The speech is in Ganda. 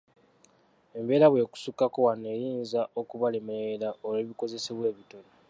Embeera bw'esukkako wano eyinza okubalemerera olw’ebikozesebwa ebitono.